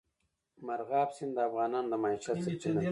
مورغاب سیند د افغانانو د معیشت سرچینه ده.